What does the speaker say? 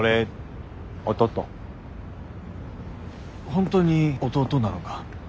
本当に弟なのか？